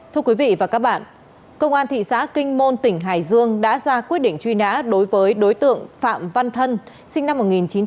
thưa quý vị và các bạn công an thị xã kinh môn tỉnh hải dương đã ra quyết định truy nã đối với đối tượng phạm văn thân sinh năm một nghìn chín trăm tám mươi